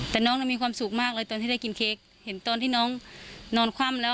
แต่น้องมีความสุขมากเลยตอนที่ได้กินเค้กเห็นตอนที่น้องนอนคว่ำแล้ว